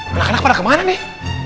kanak kanak pada kemana nih